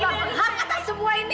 kamu bawa penghak atas semua ini